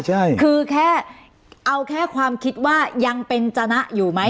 ใช่คือแค่เอาแค่ความคิดว่ายังเป็นจนะอยู่ไหม